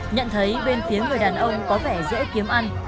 nhận thấy bên phía người đàn ông có vẻ dễ kiếm ăn